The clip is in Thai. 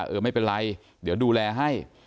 เออไม่เป็นไรเดี๋ยวดูแลให้